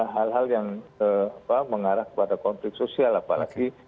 hal hal yang mengarah kepada konflik sosial apalagi